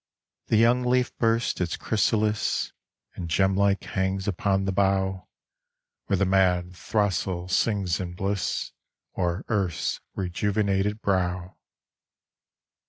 36 SPRING The young leaf bursts its chrysalis And gem like hangs upon the bough, Where the mad throstle sings in bliss O'er earth's rejuvenated brow.